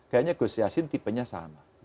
kayaknya gus yassin tipenya sama